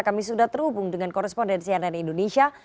kami sudah terhubung dengan koresponden cnn indonesia